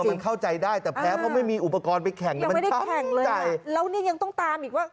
มันเข้าใจได้แต่แพ้เพราะไม่มีอุปกรณ์ไปแข่งเลยมันแข่งเลยแล้วเนี่ยยังต้องตามอีกว่า